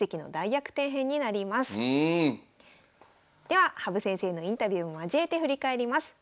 では羽生先生のインタビューも交えて振り返ります。